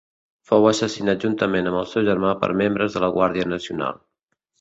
Fou assassinat juntament amb el seu germà per membres de la Guàrdia Nacional.